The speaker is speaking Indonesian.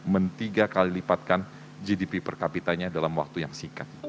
men tiga kali lipatkan gdp per kapitanya dalam waktu yang singkat